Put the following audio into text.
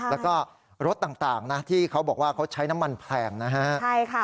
และก็รถต่างที่เขาบอกว่าเขาใช้น้ำมันแผงนะครับ